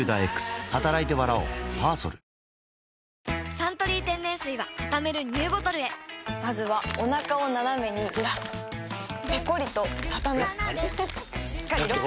「サントリー天然水」はたためるＮＥＷボトルへまずはおなかをナナメにずらすペコリ！とたたむしっかりロック！